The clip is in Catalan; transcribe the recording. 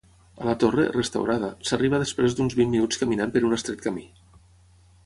A la torre, restaurada, s'arriba després d'uns vint minuts caminant per un estret camí.